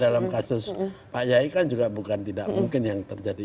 dalam kasus pak yai kan juga bukan tidak mungkin yang terjadi